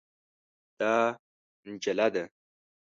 دا نجله ده.